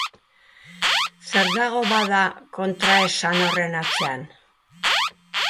Zer dago, bada, kontraesan horren atzean?